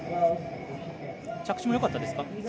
着地もよかったですか？